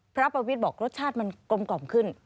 พระประวิทย์บอกรสชาติมันกลมขึ้น